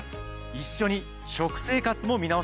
一緒に食生活も見直しては？